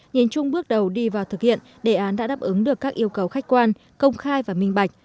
nhìn chung bước đầu đi vào thực hiện đề án đã đáp ứng được các yêu cầu khách quan công khai và minh bạch